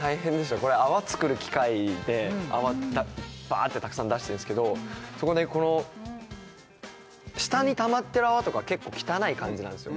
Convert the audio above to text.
これ泡作る機械で泡バーッてたくさん出してるんですけどそこにこの下にたまってる泡とか結構汚い感じなんですよ